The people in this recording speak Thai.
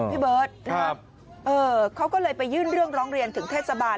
พี่เบิร์ตเขาก็เลยไปยื่นเรื่องร้องเรียนถึงเทศบาล